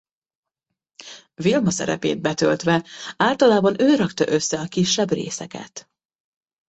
Vilma szerepét betöltve általában ő rakta össze a kisebb részeket.